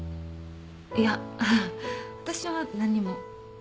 いや私は何も。